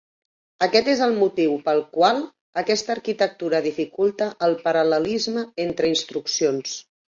Aquest és el motiu pel qual aquesta arquitectura dificulta el paral·lelisme entre instruccions.